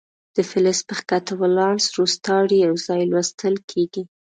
د فلز په ښکته ولانس روستاړي یو ځای لوستل کیږي.